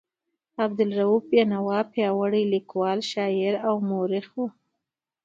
عبدالرؤف بېنوا پیاوړی لیکوال، شاعر او مورخ و.